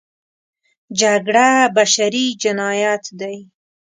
جګړه بشري جنایت دی.